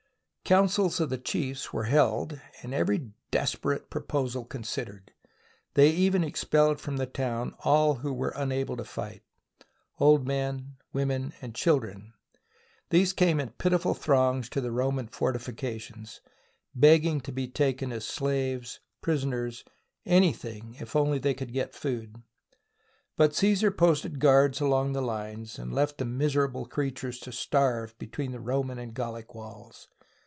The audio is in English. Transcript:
Councils of the chiefs were held and every des perate proposal considered. They even expelled from the town all who were unable to fight — old men, women, and children. These came in pitiful throngs to the Roman fortifications, begging to be taken as slaves, prisoners — anything, if only they could get food. But Caesar posted guards along the lines and left the miserable creatures to starve be tween the Roman and the Gallic walls.